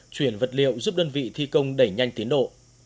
chuyển vật liệu giúp đơn vị thi công đẩy nhanh tiến độ